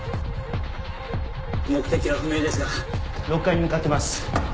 目的は不明ですが６階に向かってます。